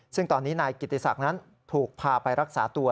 ซึ่งตอนนี้นายกิติศักดิ์นั้นถูกพาไปรักษาตัว